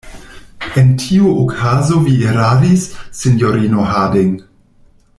En tiu okazo vi eraris, sinjorino Harding.